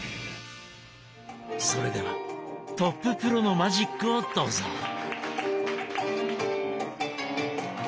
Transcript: それではトッププロのマジックをどうぞ！